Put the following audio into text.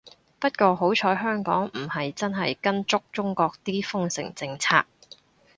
不過好彩香港唔係真係跟足中國啲封城政策